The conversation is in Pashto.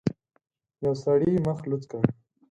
يوه سړي مخ لوڅ کړ.